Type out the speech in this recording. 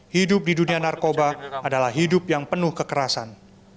hidup di dunia narkoba adalah hidup yang penuh kekerasan